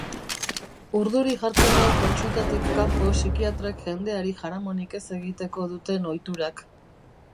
Urduri jartzen nau kontsultatik kanpo psikiatrek jendeari jaramonik ez egiteko duten ohiturak.